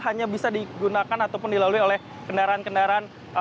hanya bisa digunakan ataupun dilalui oleh kendaraan kendaraan